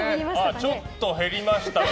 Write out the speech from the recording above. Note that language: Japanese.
ちょっと人数減りましたかね。